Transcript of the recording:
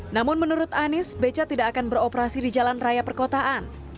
namun menurut anies beca tidak akan beroperasi di jalan raya perkotaan